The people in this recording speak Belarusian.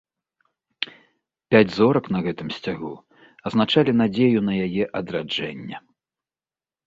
Пяць зорак на гэтым сцягу азначалі надзею на яе адраджэнне.